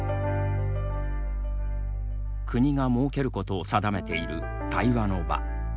国が設けることを定めている対話の場。